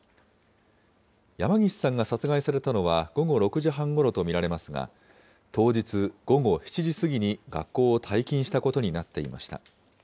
山岸さんが殺害されたのは午後６時半ごろと見られますが、当日、午後７時過ぎに学校を退勤したことになっていました。